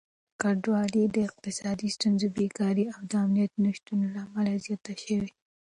کډوالي د اقتصادي ستونزو، بېکاري او امنيت د نشتون له امله زياته شوه.